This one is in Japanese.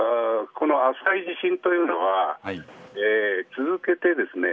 この浅い地震というのは続けてですね